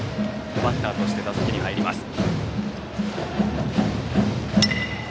バッターとして打席に入ります。